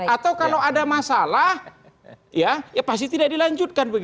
atau kalau ada masalah ya pasti tidak dilanjutkan